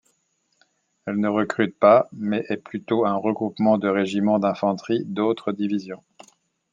Elle ne recrute pas mais est plutôt un regroupement de régiments d'infanterie d'autres divisions.